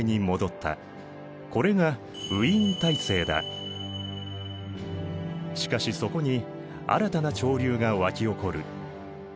これがしかしそこに新たな潮流が沸き起こる。